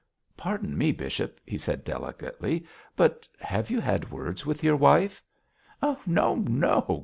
'Pardon me, bishop,' he said delicately, 'but have you had words with your wife?' 'No! no!